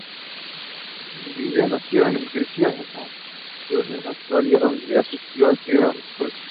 Irvine nació y creció en Melbourne, Australia, donde asistió a The Knox School.